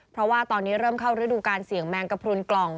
เพราะว่าตอนนี้เริ่มเข้าฤดูการเสี่ยงแมงกระพรุนกล่อง